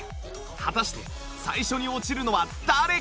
果たして最初に落ちるのは誰か？